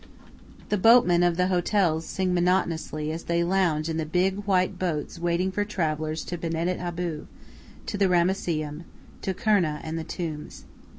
The boatmen of the hotels sing monotonously as they lounge in the big, white boats waiting for travellers to Medinet Abu, to the Ramesseum, to Kurna, and the tombs.